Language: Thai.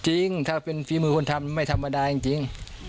จริงถ้าเป็นฝีมือคนทำไม่ธรรมดาจริง